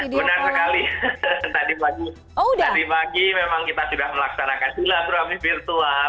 benar sekali tadi pagi memang kita sudah melaksanakan silaturahmi virtual